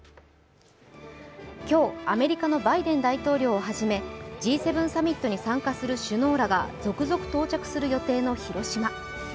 今日、アメリカのバイデン大統領をはじめ、Ｇ７サミットに参加する首脳らが続々と到着する予定の広島。